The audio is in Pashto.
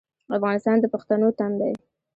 افغانستان د پښتنو تن دی